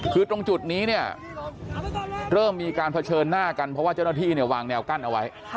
คือตรงจุดนี้เนี่ยเริ่มมีการเผชิญหน้ากันเพราะว่าเจ้าหน้าที่เนี่ยวางแนวกั้นเอาไว้